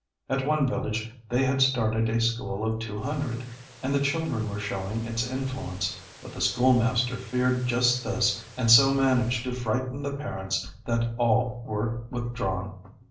At one village they had started a school of two hundred, and the children were showing its influence, but the schoolmaster feared just this and so managed to frighten the parents that all were withdrawn.